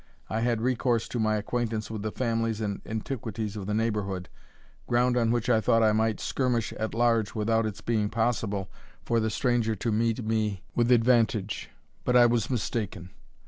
I had recourse to my acquaintance with the families and antiquities of the neighbourhood, ground on which I thought I might skirmish at large without its being possible for the stranger to meet me with advantage. But I was mistaken.